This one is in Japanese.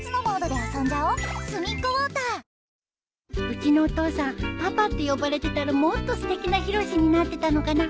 うちのお父さんパパって呼ばれてたらもっとすてきなヒロシになってたのかな？